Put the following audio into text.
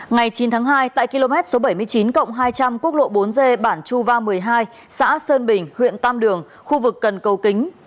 ngày chín tháng hai tại km bảy mươi chín hai trăm linh quốc lộ bốn g bản chu va một mươi hai xã sơn bình huyện tam đường khu vực cần cầu kính